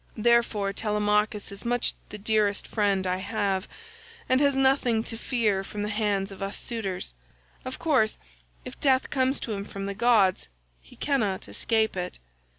Therefore Telemachus is much the dearest friend I have, and has nothing to fear from the hands of us suitors. Of course, if death comes to him from the gods, he cannot escape it."